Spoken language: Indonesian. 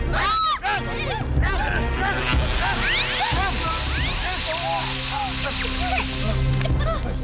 kek cepet lah ayo lanser banget